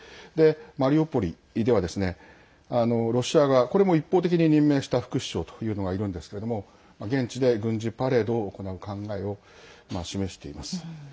マリウポリでは、ロシアがこれも一方的に任命した副首相というのがいるんですが現地で軍事パレードを行う考えを示しています。